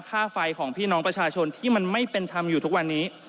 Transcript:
ค่าไฟของพี่น้องประชาชนที่มันไม่เป็นธรรมอยู่ทุกวันนี้